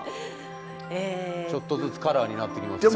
ちょっとずつカラーになってきますね。